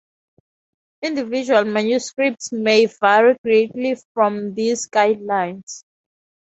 Individual manuscripts may vary greatly from these guidelines.